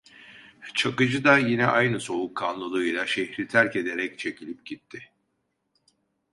Çakıcı da yine aynı soğukkanlılığıyla şehri terk ederek çekilip gitti.